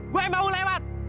gue yang mau lewat